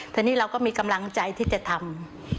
แต่นี่เราก็มีกำลังใจที่จะทำ